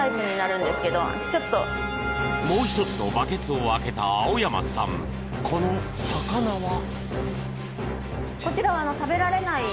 もう１つのバケツを開けた青山さん、この魚は？